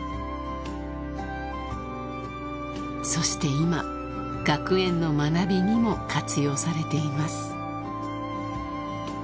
［そして今学園の学びにも活用されています］